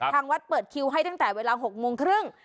ทางวัดเปิดคิวให้ตั้งแต่เวลา๖โมงครึ่ง